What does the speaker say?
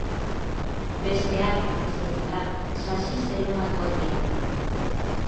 Beste harrak ez bezala sasi-zelomatuak dira.